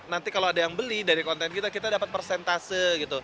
nanti kalau ada yang beli dari konten kita kita dapat persentase gitu